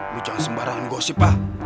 lo jangan sembarangan gosip ah